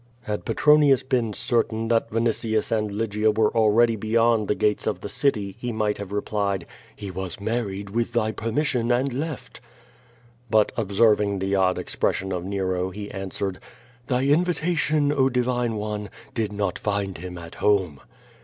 Had Petronius been certain that Vinitius and Lygia were already beyond the gates of the city, he might have replied: "He was married, with thy permission, and left." But ob serving the odd expression of Nero, he answered: Thy invitation, oh, divine one, did not find him at home."